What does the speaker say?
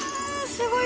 すごい！